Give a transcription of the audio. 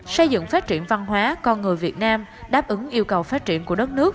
xây dựng phát triển văn hóa con người việt nam đáp ứng yêu cầu phát triển của đất nước